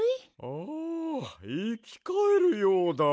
ああいきかえるようだわ。